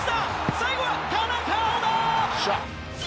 最後は田中碧だ！